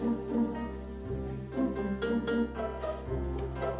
ada tas di kamar